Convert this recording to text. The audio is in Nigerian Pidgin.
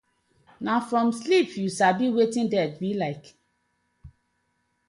Na from sleep yu sabi wetin death bi like.